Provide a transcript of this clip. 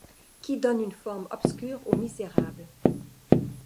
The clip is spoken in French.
Qui donnent une forme obscure-aux misérables ;